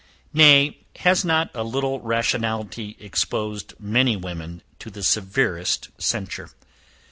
Nay, has not a little rationality exposed many women to the severest censure?